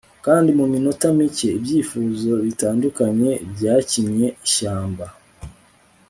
kandi muminota mike ibyifuzo bitandukanye byakinnye ishyamba